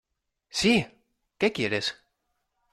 ¡ sí!... ¿ qué quieres?